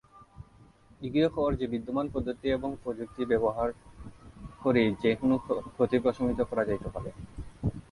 এটি বলে যে বিদ্যমান পদ্ধতি এবং প্রযুক্তি ব্যবহার করে যে কোনও ক্ষতি প্রশমিত করা যেতে পারে।